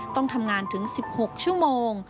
ต้องทำงานถึง๑๖ชั่วโมง